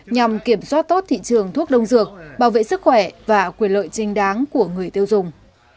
nhằm kiểm soát tốt thị trường thuốc đông dược bảo vệ sức khỏe và quyền lợi trinh đáng của người tiêu dùng